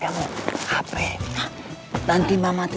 jangan sampai papa lihat